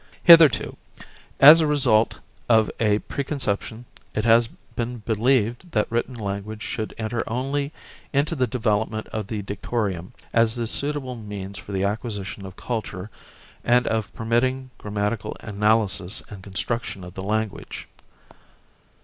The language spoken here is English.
Hitherto, as a result of a preconception, it has been believed that written language should enter only into the development of the dictorium, as the suitable means for the acquisition of culture and of permitting grammatical analysis and construction of the language.